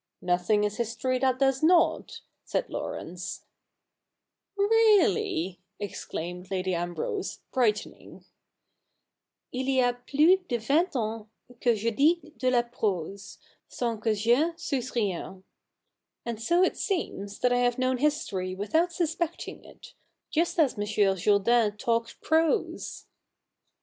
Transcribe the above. ' Nothing is history that does not,' said Laurence. 'Really,' exclaimed Lady Ambrose, brightening. '" II y a plus de vingt ans que je dis de la prose, sans que j'en susse rien." And so it seems that I have known history without suspecting it, just as M. Jourdain talked prose.'